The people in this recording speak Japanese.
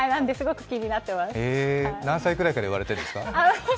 何歳くらいから言われているんですか？